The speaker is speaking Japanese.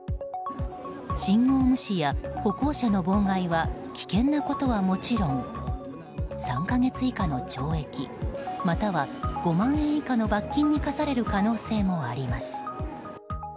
信号無視や歩行者の妨害は危険なことはもちろん３か月以下の懲役または５万円以下の罰金に科される可能性もあります。